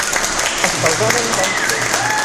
Es causaren danys lleus.